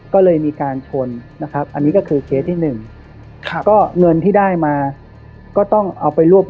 ก็เลยมีการชนนะครับอันนี้ก็คือเคสที่หนึ่งครับ